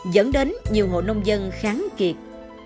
dẫn đến nhiều hộ nông dân kháng kiệt